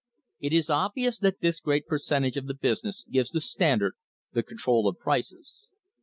It is obvious that this great percentage of the business gives the Standard the control of prices.